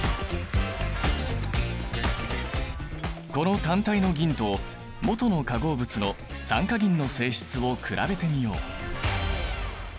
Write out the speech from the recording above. この単体の銀ともとの化合物の酸化銀の性質を比べてみよう。